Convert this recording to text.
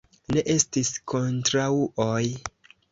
Ne estis kontraŭoj.